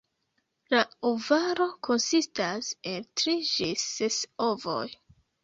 La ovaro konsistas el tri ĝis ses ovoj.